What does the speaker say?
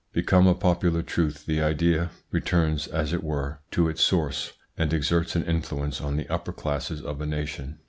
Become a popular truth the idea returns, as it were, to its source and exerts an influence on the upper classes of a nation.